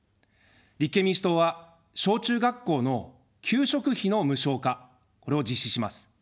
立憲民主党は、小・中学校の給食費の無償化、これを実施します。